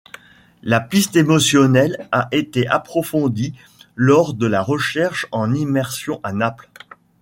La piste émotionnelle a été approfondie lors de la recherche en immersion à Naples.